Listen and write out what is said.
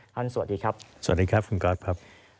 ท่านสวัสดีครับคุณกอทครับสวัสดีครับ